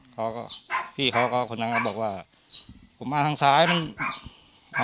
เขาก็พี่เขาก็คนนั้นก็บอกว่าผมมาทางซ้ายมันครับ